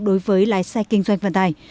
đối với lái xe kinh doanh vận tải